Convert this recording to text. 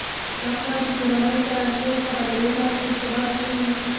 دا کار د کورنۍ کرنسۍ د تبادلې نرخ بې ثباته کوي.